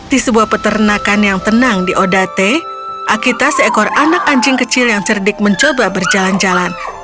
dari jenis akita yang terkenal